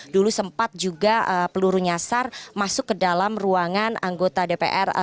dulu sempat juga peluru nyasar masuk ke dalam ruangan anggota dpr